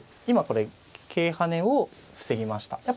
今これ桂跳ねを防ぎました。